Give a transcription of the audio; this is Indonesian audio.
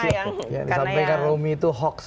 sampaikan romi itu hoax